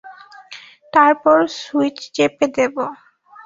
তারপর সুইচ চেপে দেব।